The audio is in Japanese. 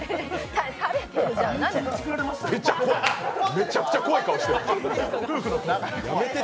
めちゃくちゃ怖い顔してる。